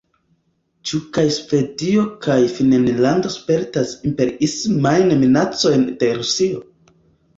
Ĉu kaj Svedio kaj Finnlando spertas imperiismajn minacojn de Rusio?